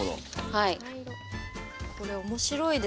はい。